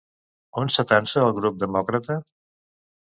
On s'atansa el Grup Demòcrata?